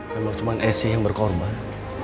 memang cuma esi yang berkorban